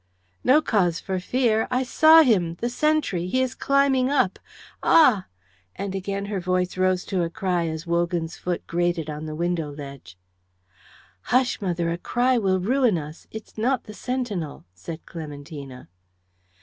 "No cause for fear! I saw him the sentry he is climbing up. Ah!" and again her voice rose to a cry as Wogan's foot grated on the window ledge. "Hush, mother! A cry will ruin us. It's not the sentinel," said Clementina.